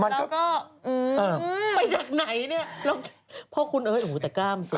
มันก็อืมไปจากไหนนี่ล่ะพ่อคุณเอิ๊ยแต่กล้ามเสีย